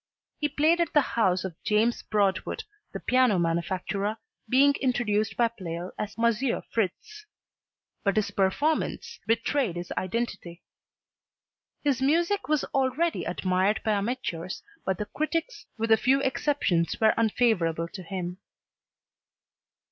He played at the house of James Broadwood, the piano manufacturer, being introduced by Pleyel as M. Fritz; but his performance betrayed his identity. His music was already admired by amateurs but the critics with a few exceptions were unfavorable to him.